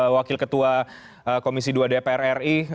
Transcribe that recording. wakil ketua komisi dua dpr ri